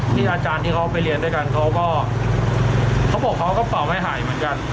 อาจารย์ที่เขาไปเรียนด้วยกันเขาก็เขาบอกเขาก็เป่าไม่หายเหมือนกัน